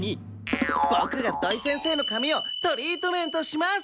ボクが土井先生の髪をトリートメントします！